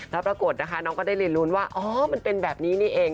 แล้วปรากฏนะคะน้องก็ได้เรียนรู้ว่าอ๋อมันเป็นแบบนี้นี่เอง